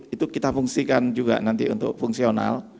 itu kita fungsikan juga nanti untuk fungsional